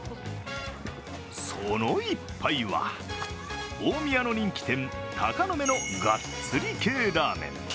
その１杯は、大宮の人気店鷹の目のがっつり系ラーメン。